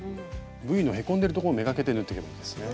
Ｖのへこんでるところを目がけて縫っていけばいいんですね。